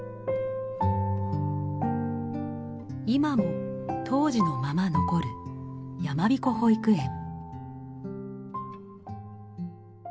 今も当時のまま残る山彦保育園。